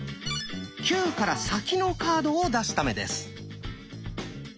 「９」から先のカードを出すためです。